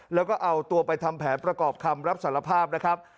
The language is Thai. แล้วก็เอาตัวไปทำแผนประกอบคำรับสารภาพนะครับ